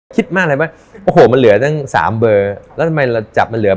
คิดมากเลยว่าโอ้โหมันเหลือตั้งสามเบอร์แล้วทำไมเราจับมันเหลือ